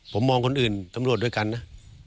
ผมมองคนอื่นตำรวจด้วยกันนะ